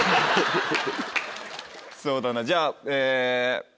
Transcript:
そうだなじゃあえぇ。